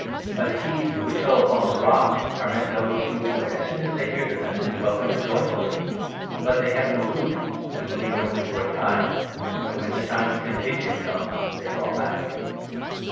By the seed which fell upon the rock are meant those who, as 13 soon as they hear the Message, welcome it joyfully ; but they have no root, and believe it only for a time, and, when the time of temptation comes, they draw back.